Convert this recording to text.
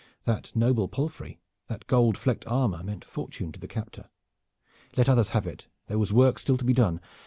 That noble palfrey, that gold flecked armor, meant fortune to the captor. Let others have it! There was work still to be done.